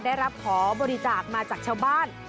ได้รับขอบริจาคมาจากชาวบ้าน